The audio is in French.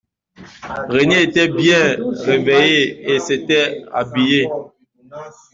René était bien réveillé et s’était habillé.